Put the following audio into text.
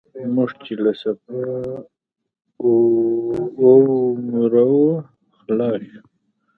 موږ چې له صفا او مروه خلاص شو.